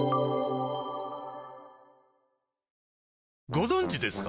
ご存知ですか？